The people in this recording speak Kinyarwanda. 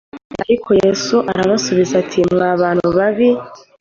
Ariko Yesu arasubiza ati mwa bantu babi